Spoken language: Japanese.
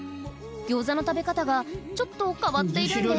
餃子の食べ方がちょっと変わっているんです